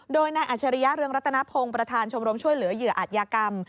โดยนายอัจฉริยะเรืองรัตนพงศ์ประธานชมรมช่วยเหลือเหยื่ออาจยากรรม